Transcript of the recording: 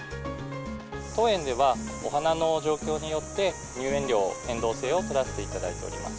当園では、お花の状況によって、入園料変動制を取らせていただいております。